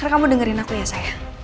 kamu dengerin aku ya sayang